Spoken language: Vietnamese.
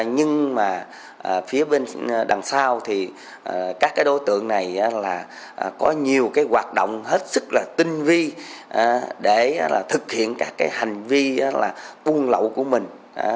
nhưng mà phía bên đằng sau thì các đối tượng này có nhiều hoạt động hết sức tinh vi để thực hiện các hành vi buôn lậu của mình